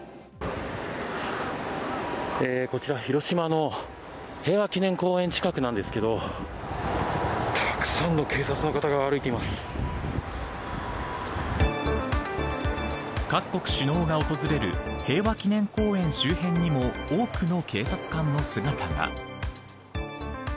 こちら、広島の平和記念公園近くなんですけれどもたくさんの警察の方が各国首脳が訪れる平和記念公園周辺にも多くの警察官の姿が。